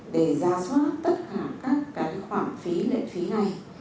để ra soát tất cả các cái khoản phí lệ phí này